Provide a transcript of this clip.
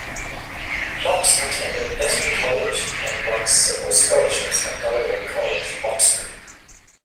Knox attended Eton College and won several scholarships at Balliol College, Oxford.